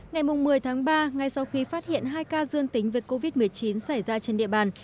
ngày một mươi tháng ba ngay sau khi phát hiện hai ca dương tính về covid một mươi chín xảy ra trên địa bàn